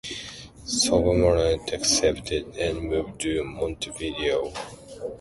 Sobremonte accepted, and moved to Montevideo.